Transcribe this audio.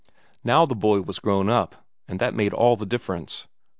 Now the boy was grown up, and that made all the difference.